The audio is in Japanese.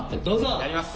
やります。